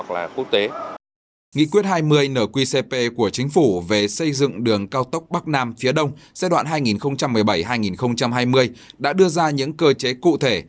các doanh nghiệp của chính phủ về xây dựng đường cao tốc bắc nam phía đông giai đoạn hai nghìn một mươi bảy hai nghìn hai mươi đã đưa ra những cơ chế cụ thể